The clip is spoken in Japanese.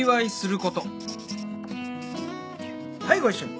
はいご一緒に。